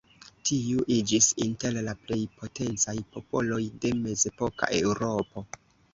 Tiu iĝis inter la plej potencaj popoloj de mezepoka Eŭropo.